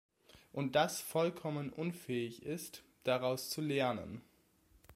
Und das vollkommen unfähig ist, daraus zu lernen!